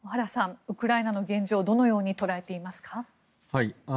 ウクライナの現状をどのように捉えていますか。